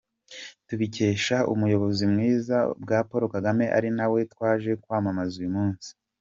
Tubikesha ubuyobozi bwiza bwa Paul Kagame, ari na we twaje kwamamaza uyu munsi.